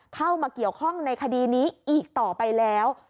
เข้ามาเกี่ยวข้องในคดีนี้อีกต่อไปแล้ว